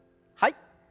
はい。